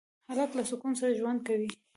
هلک له سکون سره ژوند کوي.